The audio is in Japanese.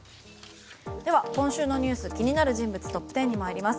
今週の気になる人物トップ１０に参ります。